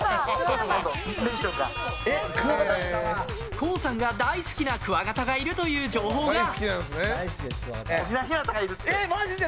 ＫＯＯさんが大好きなクワガタがいるという情報が。え、マジで！